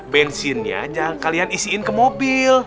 bensinnya yang kalian isiin ke mobil